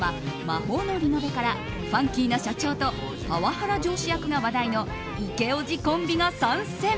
「魔法のリノベ」からファンキーな社長とパワハラ上司役が話題のイケオジコンビが参戦。